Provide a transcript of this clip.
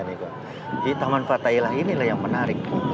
di taman fatailah inilah yang menarik